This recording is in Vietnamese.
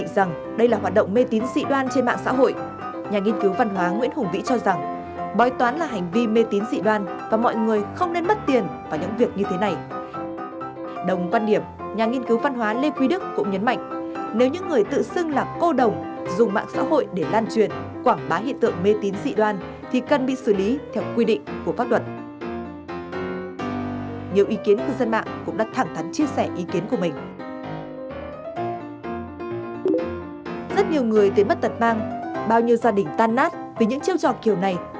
rất nhiều người thấy mất tật mang bao nhiêu gia đình tan nát vì những chiêu trò kiểu này